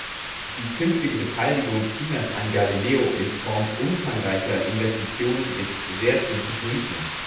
Die künftige Beteiligung Chinas an Galileo in Form umfangreicher Investitionen ist sehr zu begrüßen.